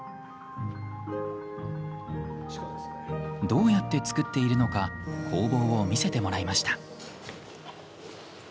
どうやって作っているのか工房を見せてもらいました。